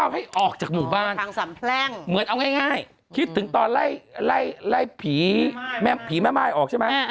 ให้ออกจากหมู่บ้านเหมือนเอาง่ายคิดถึงตอนไล่ผีแม่ม่ายออกใช่ไหม